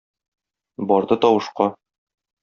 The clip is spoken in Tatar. Барды тавышка.